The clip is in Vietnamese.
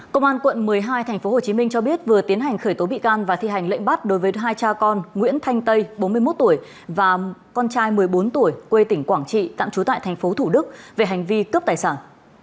công an quận một mươi hai tp hcm cho biết vừa tiến hành khởi tố bị can và thi hành lệnh bắt đối với hai cha con nguyễn thanh tây bốn mươi một tuổi và con trai một mươi bốn tuổi quê tỉnh quảng trị tạm trú tại tp thủ đức về hành vi cướp tài sản